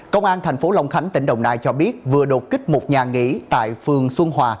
công an thành phố long khánh tỉnh đồng nai cho biết vừa đột kích một nhà nghỉ tại phường xuân hòa